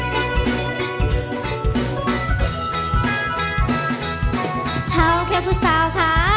เสียงเท่าไหร่รู้สึกว่าเธอเป็นผู้สาวขาเลียน